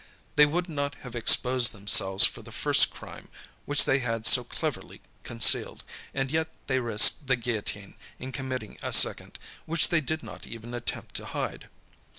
They would not have exposed themselves for their first crime, which they had so cleverly concealed, and yet they risked the guillotine, in committing a second, which they did not even attempt to hide.